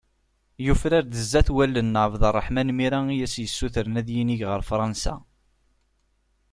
Yufrar-d sdat wallen n ƐAbdeṛṛeḥman Mira i as-yessutren ad yinig ɣer Fṛansa.